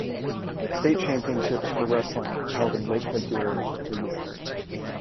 State championships for wrestling are held in late February every year.